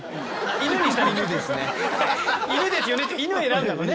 「犬ですよね」って犬選んだのね。